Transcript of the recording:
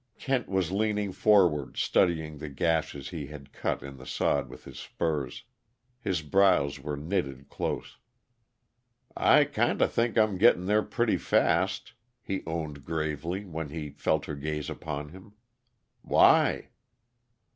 Kent was leaning forward, studying the gashes he had cut in the sod with his spurs. His brows were knitted close. "I kinda think I'm getting there pretty fast," he owned gravely when he felt her gaze upon him. "Why?"